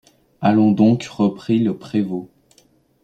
Allons donc, reprit le prévôt.